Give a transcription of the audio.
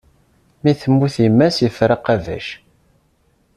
Mi temmut yemma-s, iffer aqabac!